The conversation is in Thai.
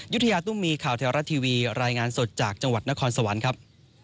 ยุธยาตุ้มมีข่าวแถวรัฐทีวีรายงานสดจากจังหวัดนครสวรรค์ครับ